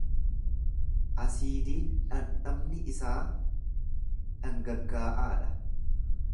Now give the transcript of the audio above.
Asiidiin dhandhamni isaa dhangaggaa’aa dha.